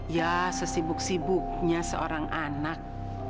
ya sesibuk sibuknya seorang anak